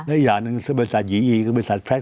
อีกอย่างหนึ่งบริษัทยีอีก็บริษัทแพทย์